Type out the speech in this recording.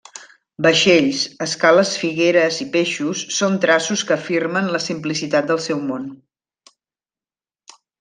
Vaixells, escales figueres i peixos són traços que afirmen la simplicitat del seu món.